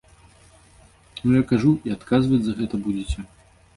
Ну, я кажу, і адказваць за гэта будзеце.